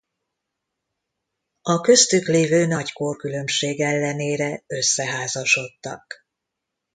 A köztük lévő nagy korkülönbség ellenére összeházasodtak.